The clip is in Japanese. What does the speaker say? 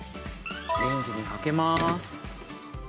レンジにかけます。